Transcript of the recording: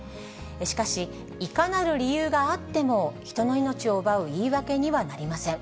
しかし、いかなる理由があっても、人の命を奪う言い訳にはなりません。